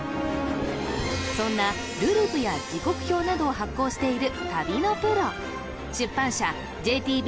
そんなるるぶや時刻表などを発行している旅のプロ出版社ＪＴＢ